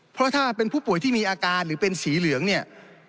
เพราะถ้าเป็นผู้ป่วยที่มีอาการหรือเป็นสีเหลืองเนี่ย